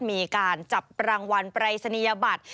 มีการจับรางวัลปรายศนียบัตร